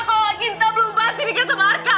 kalau gita belum bahas dirinya sama arka